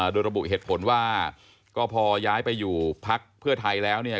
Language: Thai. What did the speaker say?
โดยระบุเหตุผลว่าก็พอย้ายไปอยู่พักเพื่อไทยแล้วเนี่ย